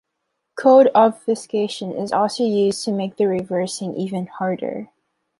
Code-obfuscation is also used to make the reversing even harder.